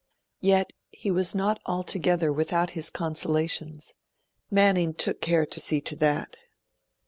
Yet, he was not altogether without his consolations; Manning took care to see to that.